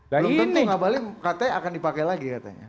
belum tentu ngabalin katanya akan dipakai lagi katanya